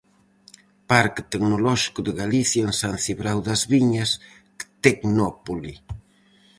Parque Tecnolóxico de Galicia en San Cibrao das Viñas, Tecnópole.